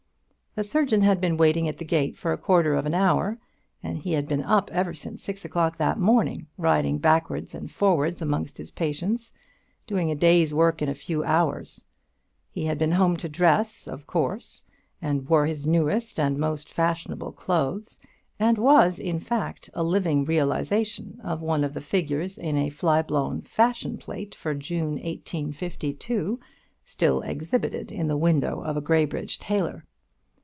The surgeon had been waiting at the gate for a quarter of an hour, and he had been up ever since six o'clock that morning, riding backwards and forwards amongst his patients, doing a day's work in a few hours. He had been home to dress, of course, and wore his newest and most fashionable clothes, and was, in fact, a living realization of one of the figures in a fly blown fashion plate for June 1852, still exhibited in the window of a Graybridge tailor.